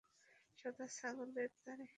সাদা ছাগলের দাড়ি?